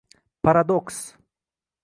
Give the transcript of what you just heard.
Paradoks ⚡️⚡️⚡️